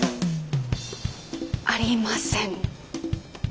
ありません。